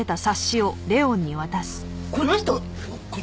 この人！